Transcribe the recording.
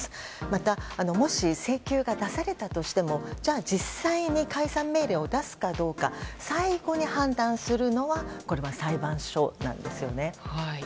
また、もし請求が出されたとしても実際に解散命令を出すかどうか最後に判断するのはこれは裁判所なんですよね。